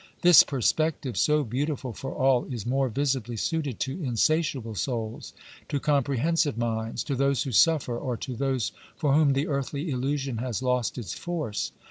^" This perspective, so beautiful for all, is more visibly suited to insatiable souls, to comprehensive minds, to those who suffer or to those for whom the earthly illusion has lost its force."